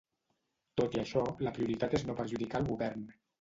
Tot i això, la prioritat és no perjudicar el Govern.